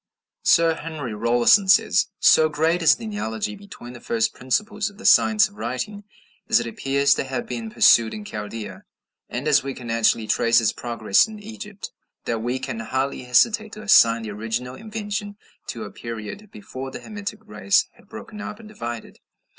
Sir Henry Rawlinson says: "So great is the analogy between the first principles of the Science of writing, as it appears to have been pursued in Chaldea, and as we can actually trace its progress in Egypt, that we can hardly hesitate to assign the original invention to a period before the Hamitic race had broken up and divided."